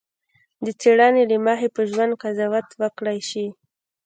د څېړنې له مخې په ژوند قضاوت وکړای شي.